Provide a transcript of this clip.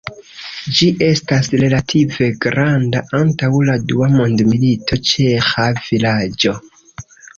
Ĝi estas relative granda, antaŭ la dua mondmilito ĉeĥa vilaĝo.